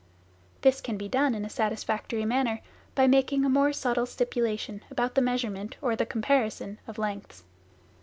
This can be done in a satisfactory manner by making a more subtle stipulation about the measurement or the comparison of lengths.